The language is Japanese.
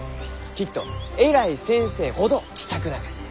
きっと偉い先生ほど気さくながじゃ。